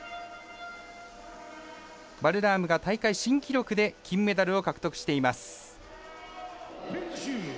バルラームが大会新記録で金メダルを獲得しています。